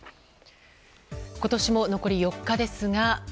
今年も残り４日ですが。